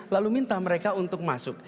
lalu minta mereka untuk masuk